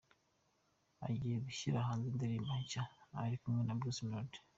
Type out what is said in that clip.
Agiye gushyira hanze indirimbo nshya ari kumwe na Bruce Melody.